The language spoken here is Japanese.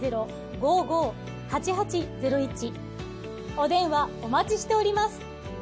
お電話お待ちしております。